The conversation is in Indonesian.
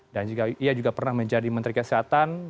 dan ia juga pernah menjadi menteri kesehatan